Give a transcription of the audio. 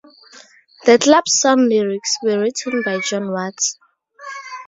The club song lyrics were written by John Watts.